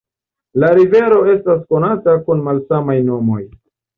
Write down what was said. La rivero estas konata kun malsamaj nomoj.